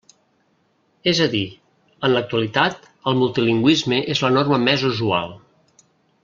És a dir, en l'actualitat el multilingüisme és la norma més usual.